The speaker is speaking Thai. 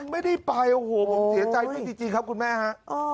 ไม่ได้ไปโอ้โหผมเจ๋ญใจไม่จี๊ครับคุณแม่ฮะ